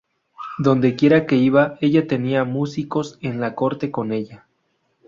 Dondequiera que iba, ella tenía músicos en la corte con ella.